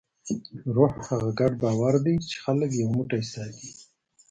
روح هغه ګډ باور دی، چې خلک یو موټی ساتي.